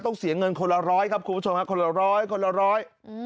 เสียเงินคนละร้อยครับคุณผู้ชมฮะคนละร้อยคนละร้อย